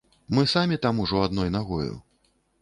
Мы самі там ужо адной нагою.